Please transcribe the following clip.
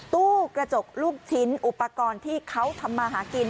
ตู้กระจกลูกชิ้นอุปกรณ์ที่เขาทำมาหากิน